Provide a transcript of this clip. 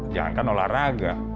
jangan kan olahraga